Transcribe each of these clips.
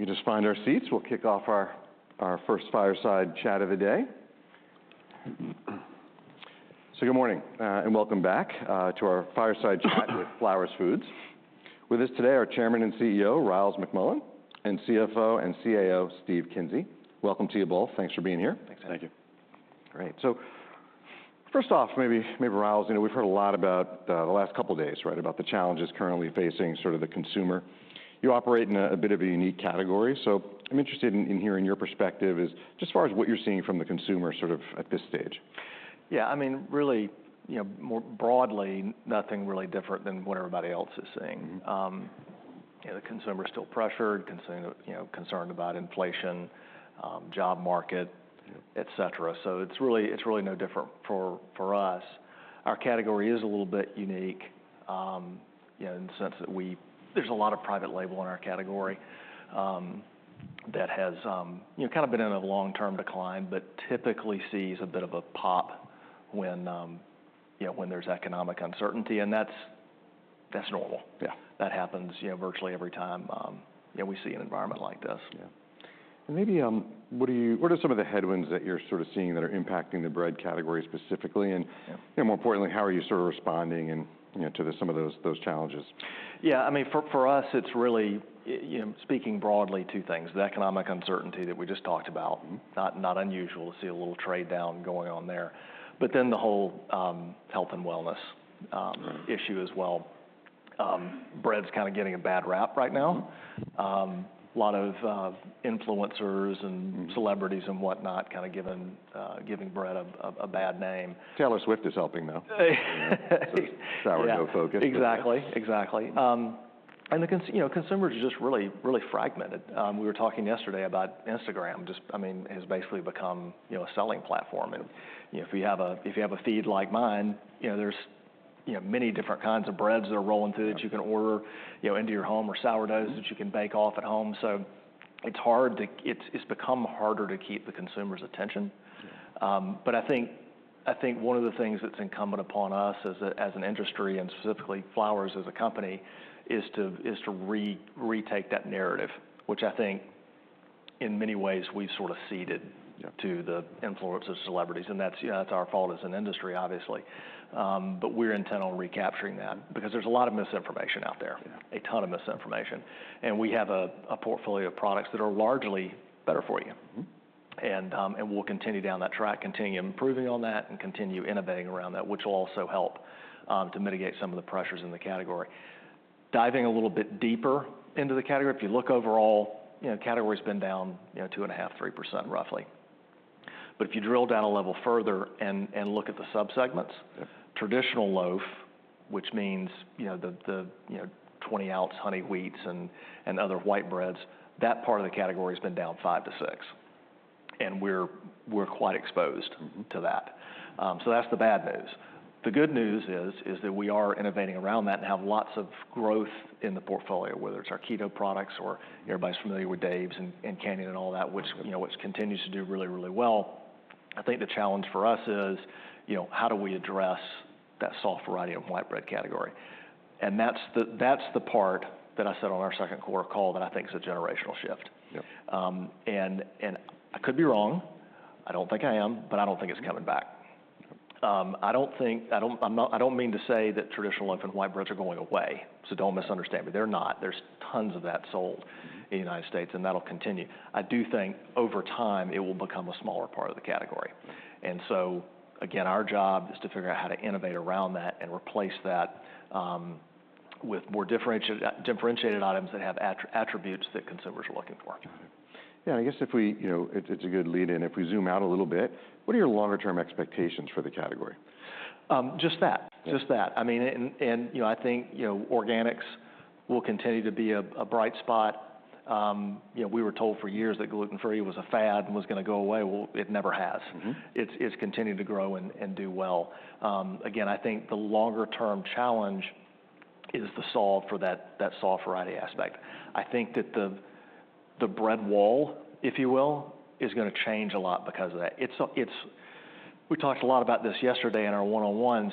... If you just find our seats, we'll kick off our first fireside chat of the day. Good morning and welcome back to our fireside chat with Flowers Foods. With us today are Chairman and CEO Ryals McMullen, and CFO and CAO Steve Kinsey. Welcome to you both. Thanks for being here. Thanks. Thank you. Great. First off, maybe Ryals, you know, we've heard a lot about the last couple of days, right, about the challenges currently facing sort of the consumer. You operate in a bit of a unique category, so I'm interested in hearing your perspective as far as what you're seeing from the consumer sort of at this stage. Yeah, I mean, really, you know, more broadly, nothing really different than what everybody else is seeing. Mm-hmm. You know, the consumer's still pressured, you know, concerned about inflation, job market- Yeah... et cetera. So it's really, it's really no different for, for us. Our category is a little bit unique, you know, in the sense that there's a lot of private label in our category, that has, you know, kind of been in a long-term decline, but typically sees a bit of a pop when, you know, when there's economic uncertainty, and that's, that's normal. Yeah. That happens, you know, virtually every time, you know, we see an environment like this. Yeah. And maybe, what are some of the headwinds that you're sort of seeing that are impacting the bread category specifically? Yeah. More importantly, how are you sort of responding and, you know, to some of those challenges? Yeah, I mean, for us, it's really, you know, speaking broadly, two things: the economic uncertainty that we just talked about- Mm-hmm... not unusual to see a little trade-down going on there, but then the whole health and wellness- Mm... issue as well. Bread's kind of getting a bad rap right now. Mm-hmm. A lot of influencers and- Mm... celebrities and whatnot, kind of giving bread a bad name. Taylor Swift is helping, though, so sourdough focused, but yeah. Exactly, exactly. And the consumers are just really, really fragmented. We were talking yesterday about Instagram, just, I mean, has basically become, you know, a selling platform. And, you know, if you have a feed like mine, you know, there's, you know, many different kinds of breads that are rolling through- Yeah... that you can order, you know, into your home or sourdoughs- Mm ...that you can bake off at home. So it's hard to... It's become harder to keep the consumer's attention. Yeah. But I think one of the things that's incumbent upon us as an industry, and specifically Flowers as a company, is to retake that narrative, which I think in many ways we've sort of ceded- Yeah... to the influence of celebrities, and that's, you know, that's our fault as an industry, obviously. But we're intent on recapturing that because there's a lot of misinformation out there- Yeah... a ton of misinformation. And we have a portfolio of products that are largely better for you. Mm-hmm. We'll continue down that track, continue improving on that, and continue innovating around that, which will also help to mitigate some of the pressures in the category. Diving a little bit deeper into the category, if you look overall, you know, category's been down, you know, 2.5-3%, roughly. But if you drill down a level further and look at the sub-segments- Yeah... traditional loaf, which means, you know, the 20-ounce honey wheats and other white breads, that part of the category has been down five to six, and we're quite exposed- Mm-hmm... to that. So that's the bad news. The good news is, is that we are innovating around that and have lots of growth in the portfolio, whether it's our keto products or everybody's familiar with Dave's and Canyon and all that- Mm-hmm... which, you know, continues to do really, really well. I think the challenge for us is, you know, how do we address that soft variety of white bread category? That's the part that I said on our second quarter call that I think is a generational shift. Yep. I could be wrong, I don't think I am, but I don't think it's coming back. I don't mean to say that traditional loaf and white breads are going away, so don't misunderstand me. They're not. There's tons of that sold- Mm-hmm... in the United States, and that'll continue. I do think over time it will become a smaller part of the category. And so, again, our job is to figure out how to innovate around that and replace that with more differentiated items that have attributes that consumers are looking for. Yeah, I guess if we you know, it's a good lead-in. If we zoom out a little bit, what are your longer-term expectations for the category? Just that. Yeah. Just that. I mean, and, you know, I think, you know, organics will continue to be a bright spot. You know, we were told for years that gluten-free was a fad and was gonna go away. Well, it never has. Mm-hmm. It's continued to grow and do well. Again, I think the longer-term challenge is to solve for that soft variety aspect. I think that the bread wall, if you will, is gonna change a lot because of that. It's... We talked a lot about this yesterday in our one-on-ones.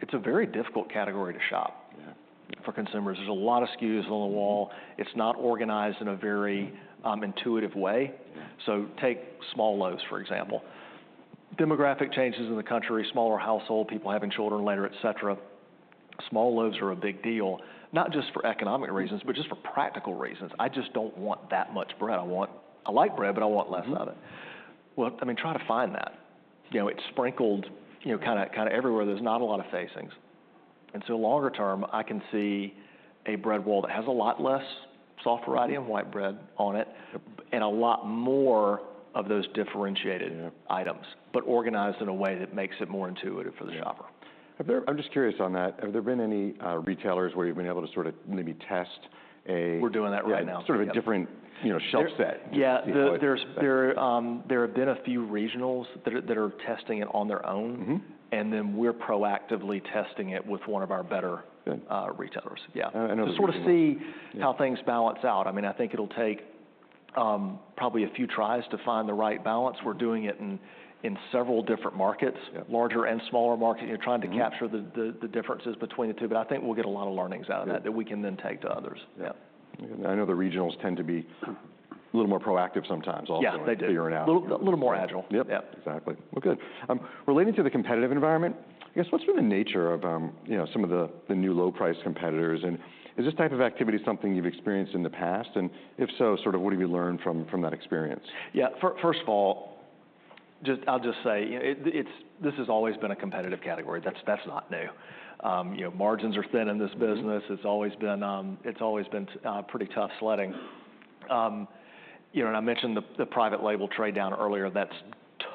It's a very difficult category to shop- Yeah... for consumers. There's a lot of SKUs on the wall. Mm-hmm. It's not organized in a very, intuitive way. Yeah. So take small loaves, for example. Demographic changes in the country, smaller household, people having children later, et cetera, small loaves are a big deal, not just for economic reasons. Mm... but just for practical reasons. I just don't want that much bread. I want... I like bread, but I want less of it. Mm-hmm. Well, I mean, try to find that. You know, it's sprinkled, you know, kind of, kind of everywhere. There's not a lot of facings. And so longer term, I can see a bread wall that has a lot less soft variety and white bread on it- Yeah... and a lot more of those differentiated- Yeah... items, but organized in a way that makes it more intuitive for the shopper. Yeah. Have there... I'm just curious on that, have there been any, retailers where you've been able to sort of maybe test a- We're doing that right now. Sort of a different, you know, shelf set? Yeah. Yeah. There have been a few regionals that are testing it on their own. Mm-hmm. Then we're proactively testing it with one of our better- Good... retailers. Yeah. So- To sort of see- Yeah... how things balance out. I mean, I think it'll take... probably a few tries to find the right balance. We're doing it in several different markets. Yeah. Larger and smaller market. Mm-hmm. You're trying to capture the differences between the two, but I think we'll get a lot of learnings out of that- Yeah that we can then take to others. Yeah. I know the regionals tend to be a little more proactive sometimes, also- Yeah, they do. to figure it out. A little, little more agile. Yep. Yep. Exactly. Well, good. Relating to the competitive environment, I guess, what's been the nature of, you know, some of the new low-price competitors, and is this type of activity something you've experienced in the past? And if so, sort of, what have you learned from that experience? Yeah, first of all, I'll just say it. This has always been a competitive category. That's not new. You know, margins are thin in this business. Mm-hmm. It's always been pretty tough sledding. You know, and I mentioned the private label trade down earlier, that's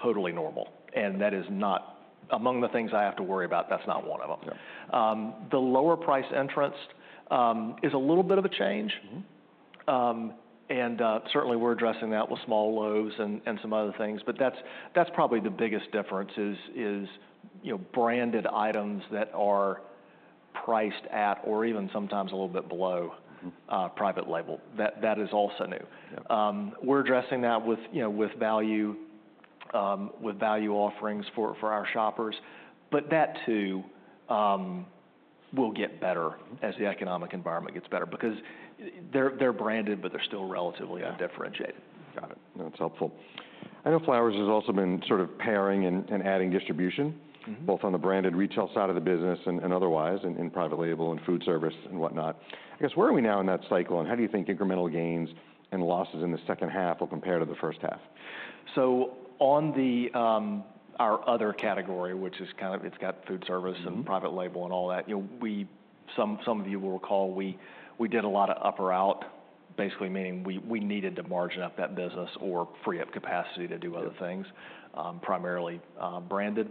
totally normal, and that is not among the things I have to worry about, that's not one of them. Yeah. The lower price entrants is a little bit of a change. Mm-hmm. Certainly we're addressing that with small loaves and some other things, but that's probably the biggest difference is, you know, branded items that are priced at or even sometimes a little bit below- Mm ... private label. That is also new. Yeah. We're addressing that with, you know, with value offerings for our shoppers, but that too will get better as the economic environment gets better because they're branded, but they're still relatively- Yeah - undifferentiated. Got it. That's helpful. I know Flowers has also been sort of pairing and adding distribution- Mm-hmm both on the branded retail side of the business and otherwise, in private label and food service and whatnot. I guess, where are we now in that cycle, and how do you think incremental gains and losses in the second half will compare to the first half? So, on the our other category, which is kind of, it's got food service. Mm-hmm... and private label and all that, you know, some of you will recall, we did a lot of up or out, basically meaning we needed to margin up that business or free up capacity to do other things- Yeah... primarily, branded.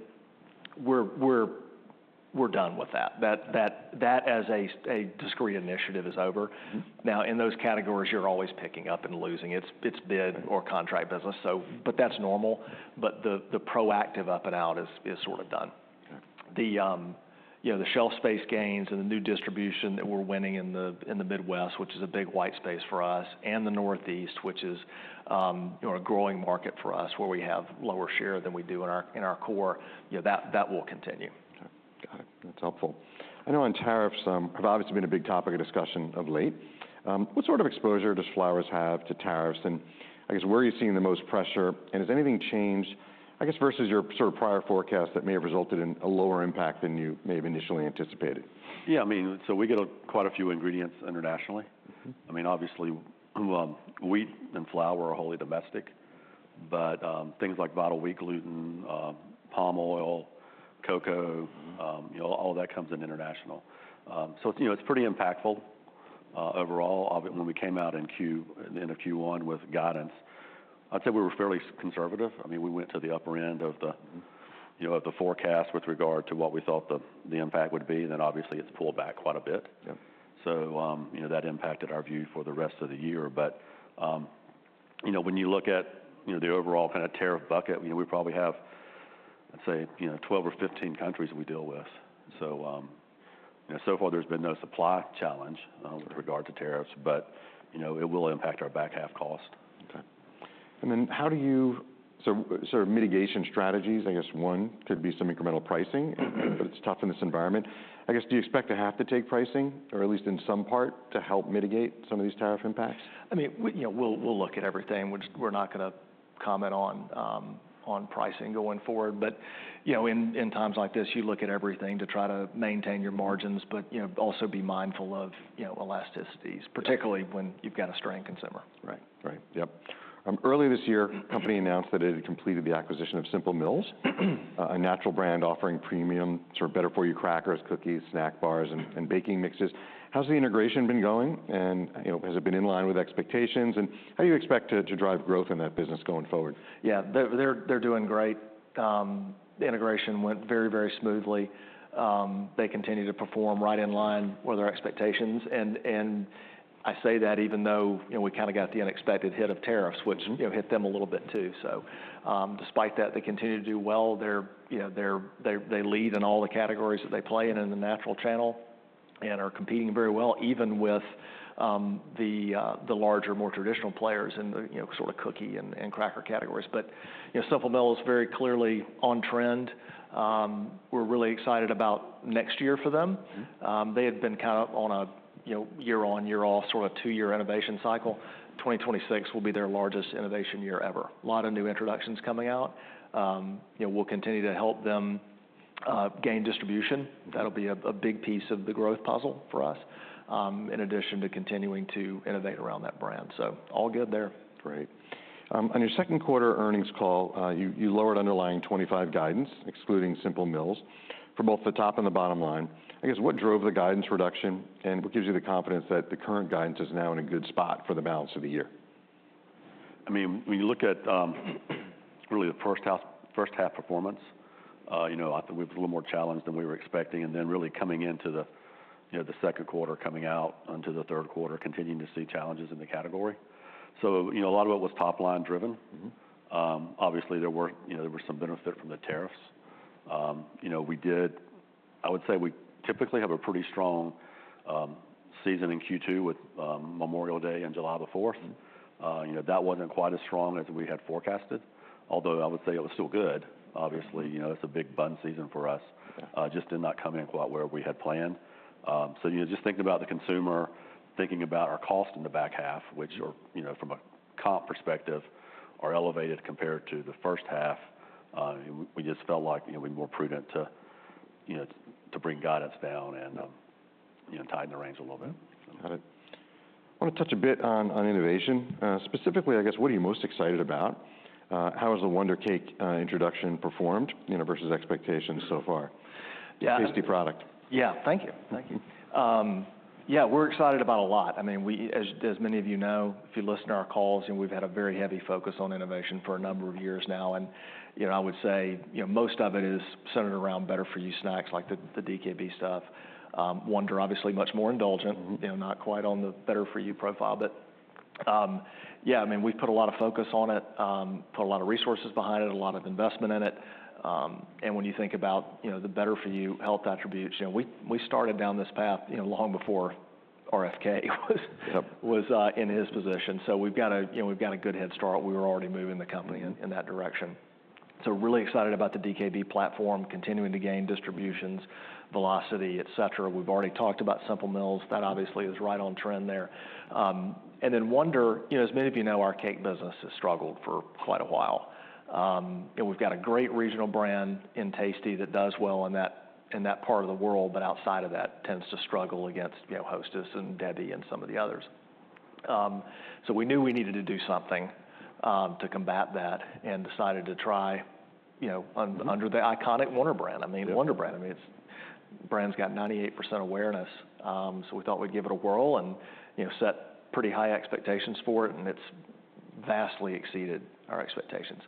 We're done with that. That as a discrete initiative is over. Mm-hmm. Now, in those categories, you're always picking up and losing. It's bid- Mm... or contract business, so but that's normal. But the proactive up or out is sort of done. Yeah. The, you know, the shelf space gains and the new distribution that we're winning in the Midwest, which is a big white space for us, and the Northeast, which is, you know, a growing market for us, where we have lower share than we do in our core, you know, that will continue. Okay. Got it. That's helpful. I know on tariffs have obviously been a big topic of discussion of late. What sort of exposure does Flowers have to tariffs? And I guess, where are you seeing the most pressure, and has anything changed, I guess, versus your sort of prior forecast that may have resulted in a lower impact than you may have initially anticipated? Yeah, I mean, so we get quite a few ingredients internationally. Mm-hmm. I mean, obviously, wheat and flour are wholly domestic, but, things like vital wheat gluten, palm oil, cocoa- Mm-hmm... you know, all that comes in international, so you know, it's pretty impactful, overall. Obviously, when we came out in Q1 with guidance, I'd say we were fairly conservative. I mean, we went to the upper end of the- Mm... you know, the forecast with regard to what we thought the impact would be, and then obviously, it's pulled back quite a bit. Yep. So, you know, that impacted our view for the rest of the year. But, you know, when you look at, you know, the overall kind of tariff bucket, you know, we probably have, let's say, you know, 12 or 15 countries we deal with. So, you know, so far there's been no supply challenge- Mm-hmm... with regard to tariffs, but, you know, it will impact our back half cost. Okay, and then how do you... So, sort of mitigation strategies, I guess one could be some incremental pricing- Mm-hmm. But it's tough in this environment. I guess, do you expect to have to take pricing, or at least in some part, to help mitigate some of these tariff impacts? I mean, you know, we'll look at everything. We're just not gonna comment on pricing going forward. But, you know, in times like this, you look at everything to try to maintain your margins, but, you know, also be mindful of, you know, elasticities, particularly. Yeah... when you've got a strained consumer. Right. Right. Yep. Earlier this year- Mm-hmm... the company announced that it had completed the acquisition of Simple Mills, a natural brand offering premium, sort of better for you crackers, cookies, snack bars, and baking mixes. How's the integration been going? And, you know, has it been in line with expectations, and how do you expect to drive growth in that business going forward? Yeah. They're doing great. The integration went very, very smoothly. They continue to perform right in line with our expectations, and I say that even though, you know, we kind of got the unexpected hit of tariffs, which, you know, hit them a little bit too. So, despite that, they continue to do well. They're, you know, they lead in all the categories that they play in, in the natural channel, and are competing very well, even with the larger, more traditional players in the, you know, sort of cookie and cracker categories. But, you know, Simple Mills is very clearly on trend. We're really excited about next year for them. Mm-hmm. They had been kind of on a, you know, year on, year off, sort of two-year innovation cycle. 2026 will be their largest innovation year ever. A lot of new introductions coming out. You know, we'll continue to help them gain distribution. That'll be a big piece of the growth puzzle for us, in addition to continuing to innovate around that brand. So all good there. Great. On your second quarter earnings call, you lowered underlying 2025 guidance, excluding Simple Mills, from both the top and the bottom line. I guess, what drove the guidance reduction, and what gives you the confidence that the current guidance is now in a good spot for the balance of the year? I mean, when you look at really the first half, first half performance, you know, I think we have a little more challenge than we were expecting, and then really coming into the, you know, the second quarter, coming out onto the third quarter, continuing to see challenges in the category. So, you know, a lot of it was top-line driven. Mm-hmm. Obviously, there were some benefit from the tariffs. You know, we did-... I would say we typically have a pretty strong season in Q2 with Memorial Day and July the Fourth. You know, that wasn't quite as strong as we had forecasted, although I would say it was still good. Obviously, you know, it's a big bun season for us. Just did not come in quite where we had planned. So, you know, just thinking about the consumer, thinking about our cost in the back half, which are, you know, from a comp perspective, are elevated compared to the first half. We just felt like it would be more prudent to, you know, to bring guidance down and, you know, tighten the reins a little bit. Got it. I wanna touch a bit on innovation. Specifically, I guess, what are you most excited about? How has the Wonder Cake introduction performed, you know, versus expectations so far? Yeah. Tasty product. Yeah. Thank you, thank you. Yeah, we're excited about a lot. I mean, we, as many of you know, if you listen to our calls, and we've had a very heavy focus on innovation for a number of years now, and, you know, I would say, you know, most of it is centered around better-for-you snacks, like the DKB stuff. Wonder, obviously, much more indulgent- Mm-hmm... you know, not quite on the better-for-you profile, but, yeah, I mean, we've put a lot of focus on it, put a lot of resources behind it, a lot of investment in it, and when you think about, you know, the better-for-you health attributes, you know, we started down this path, you know, long before RFK was - Yep... was in his position. So we've got a, you know, we've got a good head start. We were already moving the company- Mm-hmm... in that direction, so we're really excited about the DKB platform, continuing to gain distributions, velocity, et cetera. We've already talked about Simple Mills. Yeah. That obviously is right on trend there, and then Wonder, you know, as many of you know, our cake business has struggled for quite a while. You know, we've got a great regional brand in Tastykake that does well in that part of the world, but outside of that, tends to struggle against, you know, Hostess and Debbie and some of the others. So we knew we needed to do something to combat that and decided to try, you know, un- Mm... under the iconic Wonder brand. Yeah. I mean, the Wonder brand. I mean, it's brand's got 98% awareness. So we thought we'd give it a whirl and, you know, set pretty high expectations for it, and it's vastly exceeded our expectations.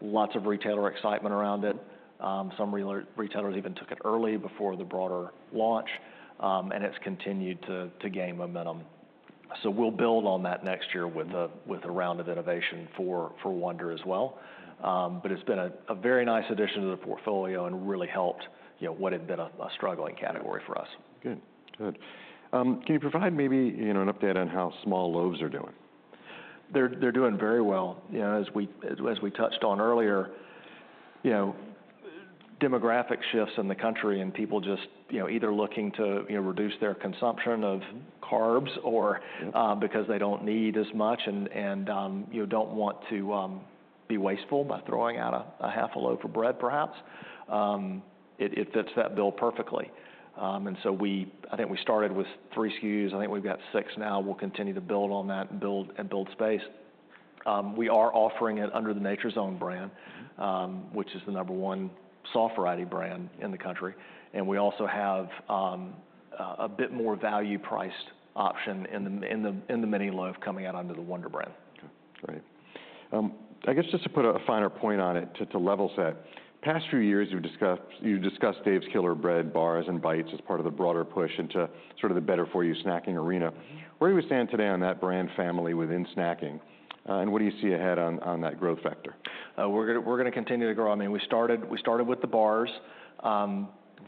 Lots of retailer excitement around it. Some retailers even took it early before the broader launch, and it's continued to gain momentum. So we'll build on that next year with a round of innovation for Wonder as well. Mm. But it's been a very nice addition to the portfolio and really helped, you know, what had been a struggling category for us. Good. Good. Can you provide maybe, you know, an update on how small loaves are doing? They're doing very well. You know, as we touched on earlier, you know, demographic shifts in the country, and people just, you know, either looking to, you know, reduce their consumption of carbs or- Yep... because they don't need as much and, you know, don't want to be wasteful by throwing out a half a loaf of bread, perhaps. It fits that bill perfectly. And so we... I think we started with three SKUs. I think we've got six now. We'll continue to build on that, build and build space. We are offering it under the Nature's Own brand- Mm... which is the number one soft variety brand in the country, and we also have a bit more value-priced option in the mini loaf coming out under the Wonder brand. Okay, great. I guess just to put a finer point on it, to level set, past few years, you've discussed Dave's Killer Bread bars and bites as part of the broader push into sort of the better-for-you snacking arena. Where do you stand today on that brand family within snacking, and what do you see ahead on that growth vector? We're gonna continue to grow. I mean, we started with the bars.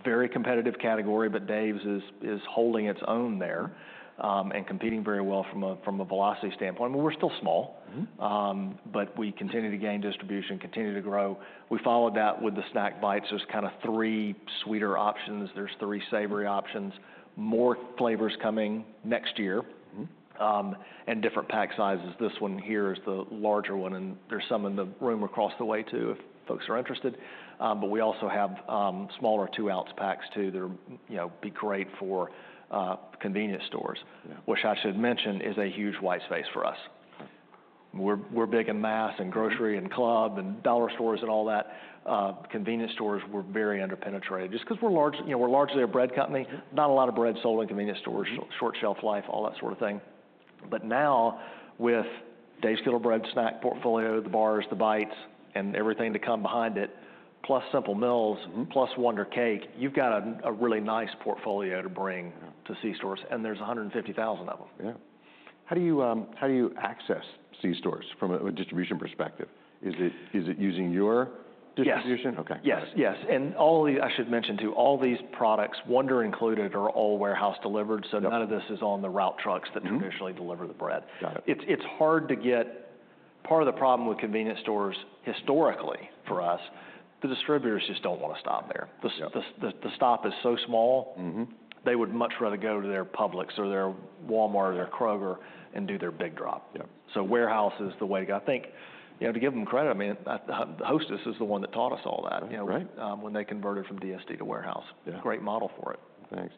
Very competitive category, but Dave's is holding its own there, and competing very well from a velocity standpoint. I mean, we're still small. Mm-hmm. But we continue to gain distribution, continue to grow. We followed that with the snack bites. There's kind of three sweeter options. There's three savory options, more flavors coming next year. Mm. And different pack sizes. This one here is the larger one, and there's some in the room across the way, too, if folks are interested. But we also have smaller two-ounce packs, too, that are, you know, be great for convenience stores. Yeah. Which I should mention is a huge white space for us. We're big in mass, and grocery- Mm... and club and dollar stores and all that. Convenience stores, we're very under-penetrated. Just 'cause we're large, you know, we're largely a bread company, not a lot of bread sold in convenience stores. Mm. Short shelf life, all that sort of thing. But now, with Dave's Killer Bread snack portfolio, the bars, the bites, and everything to come behind it, plus Simple Mills- Mm... plus Wonder Cake, you've got a really nice portfolio to bring- Yeah ... to C-stores, and there's 150,000 of them. Yeah. How do you access C stores from a distribution perspective? Is it using your distribution? Yes. Okay. Yes, yes, and all of these... I should mention, too, all these products, Wonder included, are all warehouse-delivered- Yep... so none of this is on the route trucks- Mm-hmm... that traditionally deliver the bread. Got it. It's hard to get. Part of the problem with convenience stores historically, for us, the distributors just don't want to stop there. Yeah. The stop is so small. Mm-hmm ... they would much rather go to their Publix or their Walmart or their Kroger and do their big drop. Yep. So warehouse is the way to go. I think, you know, to give them credit, I mean, Hostess is the one that taught us all that, you know- Right... when they converted from DSD to warehouse. Yeah. Great model for it. Thanks.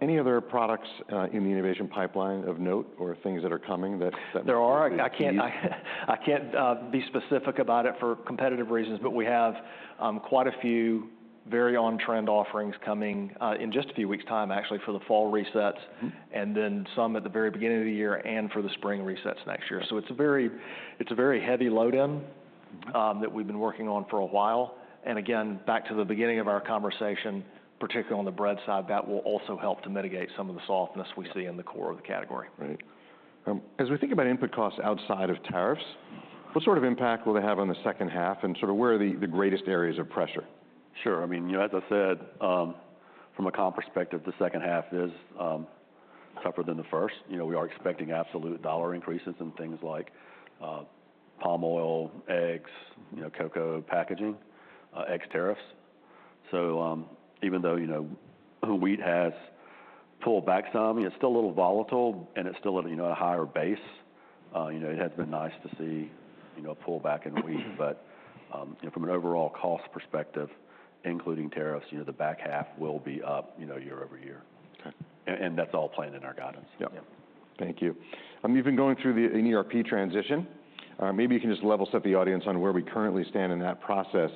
Any other products in the innovation pipeline of note or things that are coming that- There are... we could tease? I can't be specific about it for competitive reasons, but we have quite a few very on-trend offerings coming in just a few weeks' time, actually, for the fall resets- Mm... and then some at the very beginning of the year and for the spring resets next year. Yeah. So it's a very heavy load in- Mm-hmm... that we've been working on for a while. And again, back to the beginning of our conversation, particularly on the bread side, that will also help to mitigate some of the softness we see in the core of the category. Right. As we think about input costs outside of tariffs, what sort of impact will they have on the second half, and sort of where are the greatest areas of pressure? Sure. I mean, you know, as I said, from a comp perspective, the second half is tougher than the first. You know, we are expecting absolute dollar increases in things like palm oil, eggs, you know, cocoa, packaging, egg tariffs. So, even though, you know, wheat has pulled back some, it's still a little volatile, and it's still at, you know, a higher base. You know, it has been nice to see, you know, a pullback in wheat. But, from an overall cost perspective, including tariffs, you know, the back half will be up, you know, year over year. Okay. That's all planned in our guidance. Yep. Yeah. Thank you. You've been going through an ERP transition. Maybe you can just level set the audience on where we currently stand in that process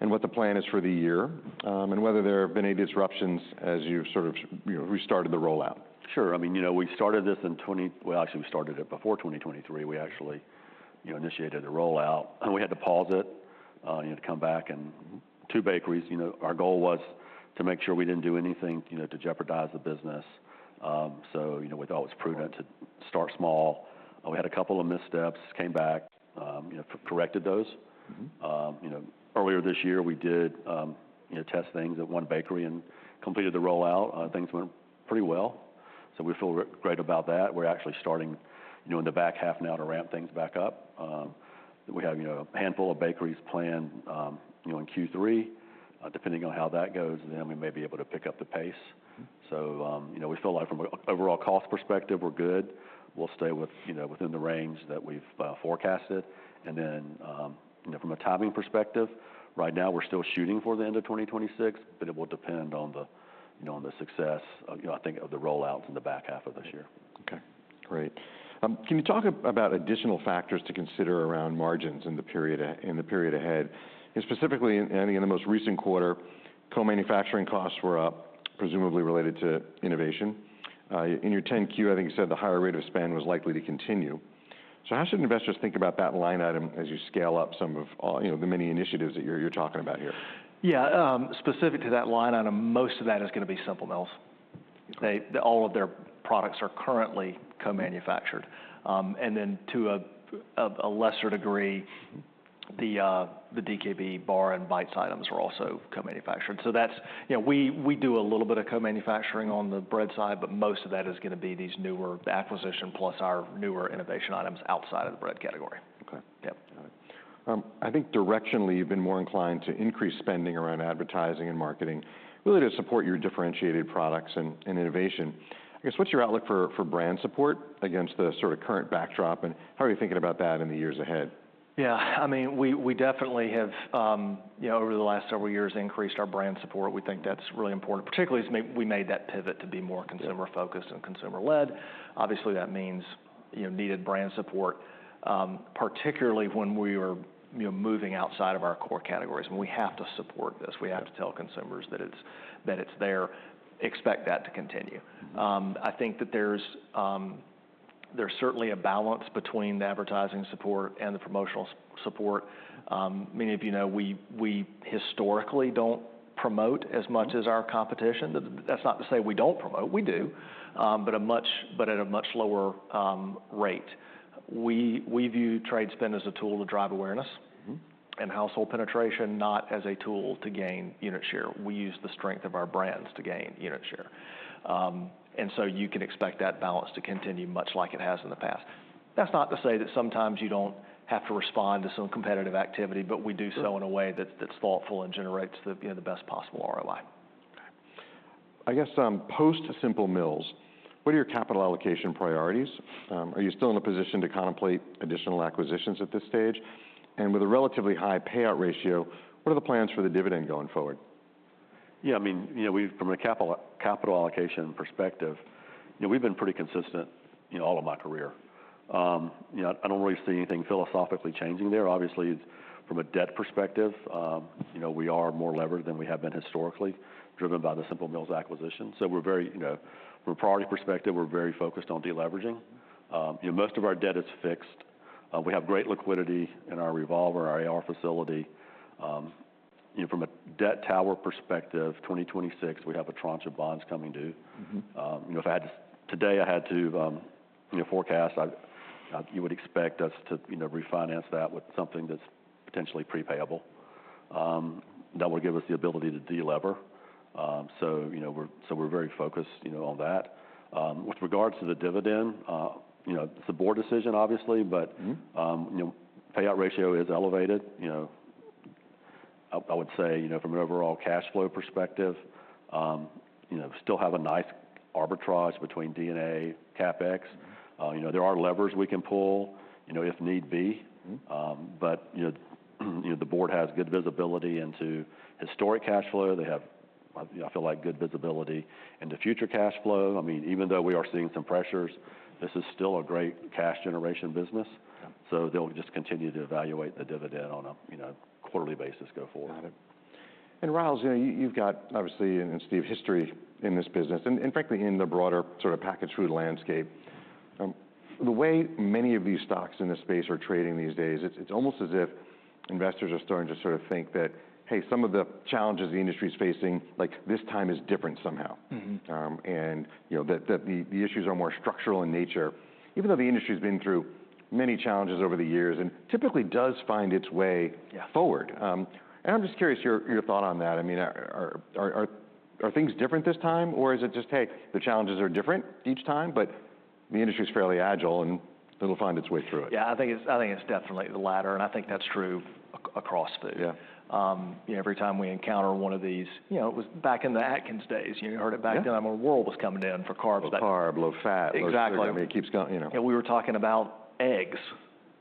and what the plan is for the year, and whether there have been any disruptions as you've sort of, you know, restarted the rollout. Sure. I mean, you know, we started this in twenty... Well, actually, we started it before 2023. We actually, you know, initiated a rollout, and we had to pause it, you know, to come back and two bakeries. You know, our goal was to make sure we didn't do anything, you know, to jeopardize the business. So, you know, we thought it was prudent to start small. We had a couple of missteps, came back, you know, corrected those. Mm-hmm. You know, earlier this year, we did test things at one bakery and completed the rollout. Things went pretty well, so we feel great about that. We're actually starting, you know, in the back half now to ramp things back up. We have, you know, a handful of bakeries planned, you know, in Q3. Depending on how that goes, then we may be able to pick up the pace. Mm-hmm. So, you know, we feel like from an overall cost perspective, we're good. We'll stay with, you know, within the range that we've forecasted. And then, you know, from a timing perspective, right now we're still shooting for the end of twenty twenty-six, but it will depend on the, you know, on the success, you know, I think, of the rollouts in the back half of this year. Okay. Great. Can you talk about additional factors to consider around margins in the period ahead? And specifically, in the most recent quarter, co-manufacturing costs were up, presumably related to innovation. In your 10-Q, I think you said the higher rate of spend was likely to continue. So how should investors think about that line item as you scale up some of, you know, the many initiatives that you're talking about here? Yeah, specific to that line item, most of that is gonna be Simple Mills. Okay. All of their products are currently co-manufactured. And then to a lesser degree, the DKB bar and bites items are also co-manufactured. So that's. We do a little bit of co-manufacturing on the bread side, but most of that is gonna be these newer acquisition, plus our newer innovation items outside of the bread category. Okay. Yep. I think directionally, you've been more inclined to increase spending around advertising and marketing, really to support your differentiated products and innovation. I guess, what's your outlook for brand support against the sort of current backdrop, and how are you thinking about that in the years ahead? Yeah, I mean, we definitely have, you know, over the last several years, increased our brand support. We think that's really important, particularly as we made that pivot to be more- Yeah... consumer-focused and consumer-led. Obviously, that means, you know, needed brand support, particularly when we were, you know, moving outside of our core categories, and we have to support this. We have to tell consumers that it's there. Expect that to continue. Mm-hmm. I think that there's certainly a balance between the advertising support and the promotional support. Many of you know, we historically don't promote as much- Mm... as our competition. That's not to say we don't promote. We do, but at a much lower rate. We view trade spend as a tool to drive awareness- Mm-hmm... and household penetration, not as a tool to gain unit share. We use the strength of our brands to gain unit share. And so you can expect that balance to continue, much like it has in the past. That's not to say that sometimes you don't have to respond to some competitive activity, but we do so- Sure... in a way that's thoughtful and generates, you know, the best possible ROI. Okay. I guess, post Simple Mills, what are your capital allocation priorities? Are you still in a position to contemplate additional acquisitions at this stage, and with a relatively high payout ratio, what are the plans for the dividend going forward? Yeah, I mean, you know, we've from a capital allocation perspective, you know, we've been pretty consistent, you know, all of my career. I don't really see anything philosophically changing there. Obviously, from a debt perspective, you know, we are more levered than we have been historically, driven by the Simple Mills acquisition. So we're very, you know, from a priority perspective, we're very focused on deleveraging. You know, most of our debt is fixed. We have great liquidity in our revolver, our AR facility. You know, from a debt tower perspective, 2026, we have a tranche of bonds coming due. Mm-hmm. You know, if today I had to, you know, forecast, you would expect us to, you know, refinance that with something that's potentially prepayable. That would give us the ability to delever, so you know, we're very focused, you know, on that. With regards to the dividend, you know, it's a board decision, obviously, but- Mm-hmm... you know, payout ratio is elevated. You know, I would say, you know, from an overall cash flow perspective, you know, still have a nice arbitrage between D&A, CapEx. Mm-hmm. You know, there are levers we can pull, you know, if need be. Mm-hmm. You know, you know, the board has good visibility into historic cash flow. They have, I feel like, good visibility into future cash flow. I mean, even though we are seeing some pressures, this is still a great cash generation business. Yeah. So they'll just continue to evaluate the dividend on a, you know, quarterly basis go forward. Got it. And Ryals, you know, you've got, obviously, and Steve, history in this business, and frankly, in the broader sort of packaged food landscape. The way many of these stocks in this space are trading these days, it's almost as if investors are starting to sort of think that, hey, some of the challenges the industry's facing, like, this time is different somehow. Mm-hmm. And you know that the issues are more structural in nature, even though the industry's been through many challenges over the years, and typically does find its way- Yeah -forward. And I'm just curious your thought on that. I mean, are things different this time? Or is it just, hey, the challenges are different each time, but the industry's fairly agile, and it'll find its way through it? Yeah, I think it's definitely the latter, and I think that's true across food. Yeah. You know, every time we encounter one of these... You know, it was back in the Atkins days, you know, you heard it back then. Yeah... about the world was coming in for carbs. Low carb, low fat. Exactly. I mean, it keeps going, you know. And we were talking about eggs.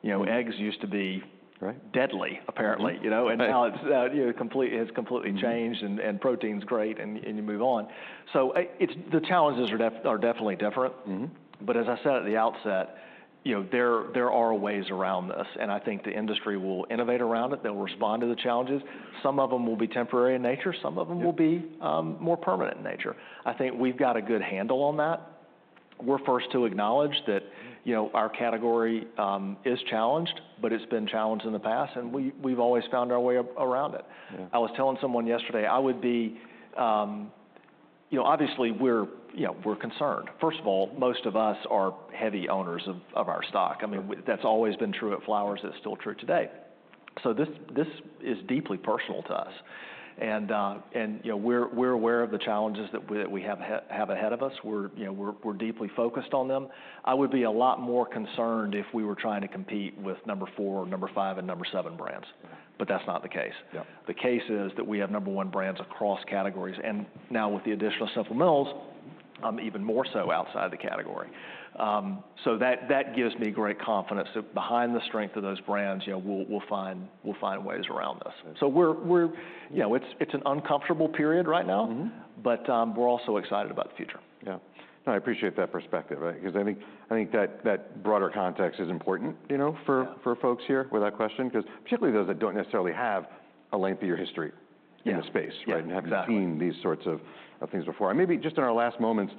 You know, eggs used to be- Right... deadly, apparently, you know? And now it's, you know, completely, has completely changed- Mm-hmm... and protein's great, and you move on. So it's the challenges are definitely different. Mm-hmm. But as I said at the outset, you know, there are ways around this, and I think the industry will innovate around it. They'll respond to the challenges. Some of them will be temporary in nature, some of them- Yeah... will be, more permanent in nature. I think we've got a good handle on that. We're first to acknowledge that, you know, our category, is challenged, but it's been challenged in the past, and we- Mm.... we've always found our way around it. Yeah. I was telling someone yesterday, I would be. You know, obviously we're, you know, we're concerned. First of all, most of us are heavy owners of our stock. Yeah. I mean, that's always been true at Flowers, it's still true today. So this, this is deeply personal to us. And, you know, we're aware of the challenges that we have ahead of us. You know, we're deeply focused on them. I would be a lot more concerned if we were trying to compete with number four, number five, and number seven brands, but that's not the case. Yeah. The case is that we have number one brands across categories, and now with the additional Simple Mills, even more so outside the category, so that gives me great confidence that behind the strength of those brands, you know, we'll find ways around this. Yeah. So we're. You know, it's an uncomfortable period right now. Mm-hmm... but, we're also excited about the future. Yeah. I appreciate that perspective, right, 'cause I think that broader context is important, you know- Yeah... for folks here with that question, 'cause particularly those that don't necessarily have a lengthier history- Yeah... in the space, right? Yeah, exactly. And haven't seen these sorts of things before. And maybe just in our last moments,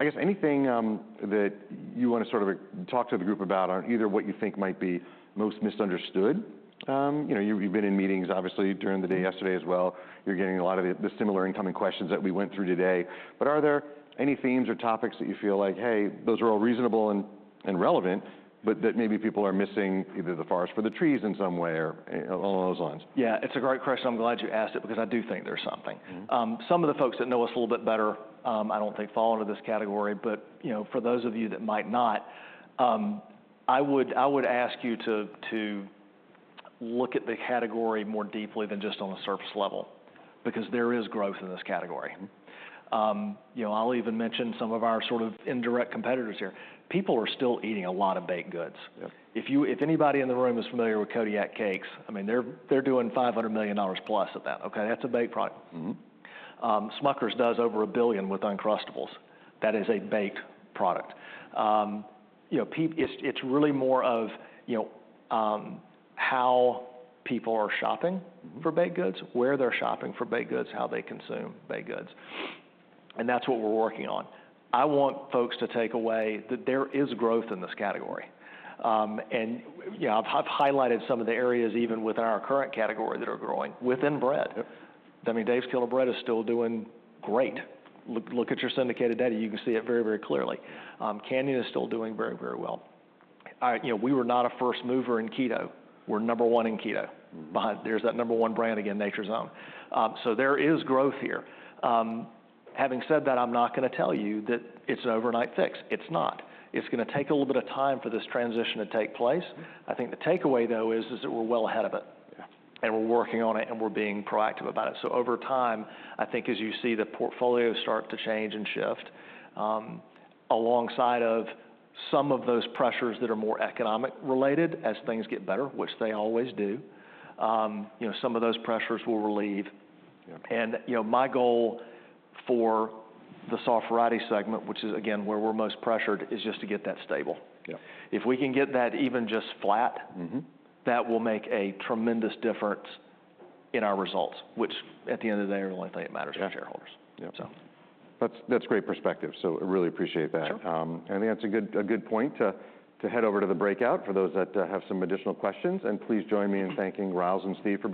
I guess anything that you want to sort of talk to the group about on either what you think might be most misunderstood? You know, you, you've been in meetings, obviously, during the day yesterday as well. You're getting a lot of the similar incoming questions that we went through today. But are there any themes or topics that you feel like, hey, those are all reasonable and relevant, but that maybe people are missing either the forest for the trees in some way, or along those lines? Yeah, it's a great question. I'm glad you asked it, because I do think there's something. Mm-hmm. Some of the folks that know us a little bit better, I don't think fall into this category, but, you know, for those of you that might not, I would ask you to look at the category more deeply than just on the surface level, because there is growth in this category. Mm-hmm. You know, I'll even mention some of our sort of indirect competitors here. People are still eating a lot of baked goods. Yeah. If you, if anybody in the room is familiar with Kodiak Cakes, I mean, they're doing $500 million plus of that, okay? That's a baked product. Mm-hmm. Smucker's does over $1 billion with Uncrustables. That is a baked product. You know, it's really more of, you know, how people are shopping for baked goods, where they're shopping for baked goods, how they consume baked goods. And that's what we're working on. I want folks to take away that there is growth in this category, and you know, I've highlighted some of the areas even within our current category that are growing within bread. Yeah. I mean, Dave's Killer Bread is still doing great. Look, look at your syndicated data, you can see it very, very clearly. Canyon is still doing very, very well. You know, we were not a first mover in keto. We're number one in keto. Mm. But there's that number one brand again, Nature's Own. So there is growth here. Having said that, I'm not gonna tell you that it's an overnight fix. It's not. It's gonna take a little bit of time for this transition to take place. Yeah. I think the takeaway, though, is that we're well ahead of it- Yeah... and we're working on it, and we're being proactive about it. So over time, I think as you see the portfolio start to change and shift, alongside of some of those pressures that are more economic related, as things get better, which they always do, you know, some of those pressures will relieve. Yeah. You know, my goal for the soft variety segment, which is again, where we're most pressured, is just to get that stable. Yeah. If we can get that even just flat- Mm-hmm... that will make a tremendous difference in our results, which at the end of the day, are the only thing that matters. Yeah... to shareholders. Yeah. So. That's great perspective, so I really appreciate that. Sure. I think that's a good point to head over to the breakout for those that have some additional questions. And please join me in thanking Ryals and Steve for being-